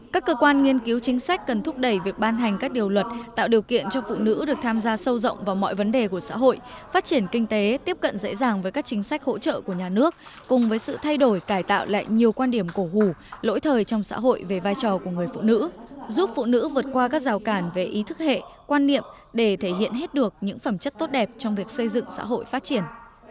các cơ quan nghiên cứu chính sách cần thúc đẩy việc ban hành các điều luật tạo điều kiện cho phụ nữ được tham gia sâu rộng vào mọi vấn đề của xã hội phát triển kinh tế tiếp cận dễ dàng với các chính sách hỗ trợ của nhà nước cùng với sự thay đổi cải tạo lại nhiều quan điểm cổ hù lỗi thời trong xã hội về vai trò của người phụ nữ giúp phụ nữ vượt qua các rào cản về ý thức hệ quan niệm để thể hiện hết được những phẩm chất tốt đẹp trong việc xây dựng xã hội phát triển